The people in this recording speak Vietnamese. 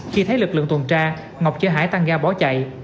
khi thấy lực lượng tuần tra ngọc cho hải tăng ga bỏ chạy